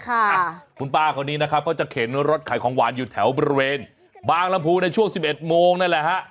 ค่ะคุณป้าคนนี้นะครับเขาจะเข็นรถขายของหวานอยู่แถวบริเวณบางลำพูในช่วงสิบเอ็ดโมงนั่นแหละฮะ